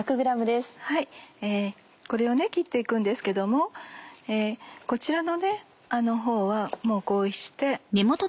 これを切って行くんですけどもこちらのほうはこうして。